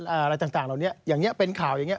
อะไรต่างเหล่านี้อย่างนี้เป็นข่าวอย่างนี้